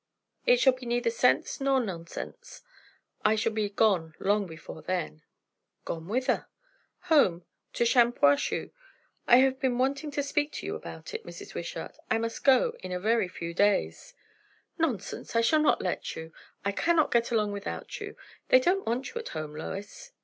"It will be neither sense nor nonsense. I shall be gone long before then." "Gone whither?" "Home to Shampuashuh. I have been wanting to speak to you about it, Mrs. Wishart. I must go in a very few days." "Nonsense! I shall not let you. I cannot get along without you. They don't want you at home, Lois."